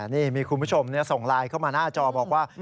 นี่มีคุณผู้ชมส่งไลน์เข้ามาหน้าจอบอกว่า